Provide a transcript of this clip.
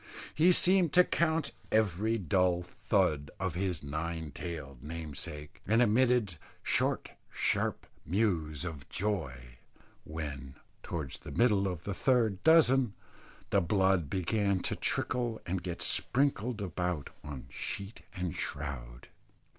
He seemed to count every dull thud of his nine tailed namesake, and emitted short sharp mews of joy when, towards the middle of the third dozen, the blood began to trickle and get sprinkled about on sheet and shroud.